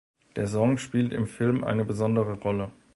Der Song spielt im Film eine besondere Rolle.